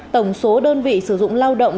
tổng số đơn vị sử dụng lao động